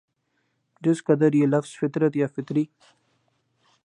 جس قدر یہ لفظ فطرت یا فطری